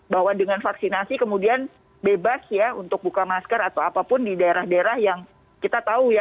bahwa dengan vaksinasi kemudian bebas ya untuk buka masker atau apapun di daerah daerah yang kita tahu ya